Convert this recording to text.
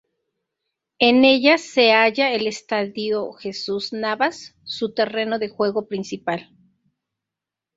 En ella se halla el Estadio Jesús Navas su terreno de juego principal.